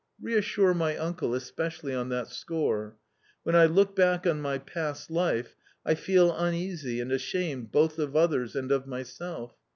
Reassure my uncle especially on that score. When I look back on my past life, I feel uneasy and ashamed both of others and of myself.